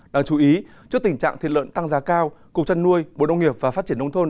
đáng chú ý trước tình trạng thiệt lợn tăng giá cao cục trân nuôi bộ đông nghiệp và phát triển đông thôn